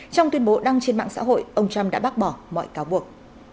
trong tuyên bố đăng trên mạng xã hội ông trump đã bác bỏ mọi cáo buộc